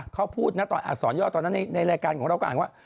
เขาพูดนะตอนอักษรย่อตอนนั้นในรายการของเราก็อ่านว่า